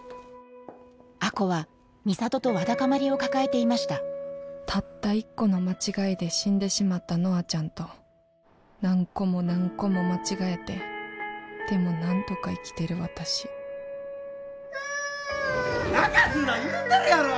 亜子は美里とわだかまりを抱えていましたたった一個の間違いで死んでしまったノアちゃんと何個も何個も間違えてでもなんとか生きている私泣かすな言うてるやろ！